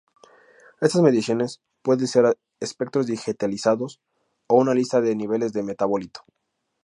Estas mediciones pueden ser espectros digitalizados, o una lista de niveles de metabolito.